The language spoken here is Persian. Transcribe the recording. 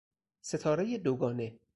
ستارهی دوگانه